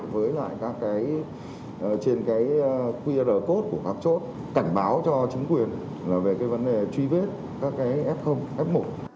với lại các cái trên cái qr code của các chốt cảnh báo cho chính quyền là về cái vấn đề truy vết các cái f f một